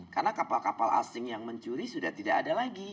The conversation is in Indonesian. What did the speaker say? karena kapal kapal asing yang mencuri sudah tidak ada lagi